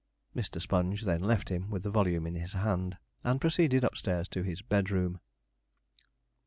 Mr. Sponge then left him with the volume in his hand, and proceeded upstairs to his bedroom.